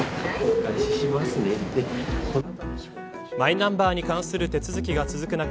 マイナンバーに関する手続きが続く中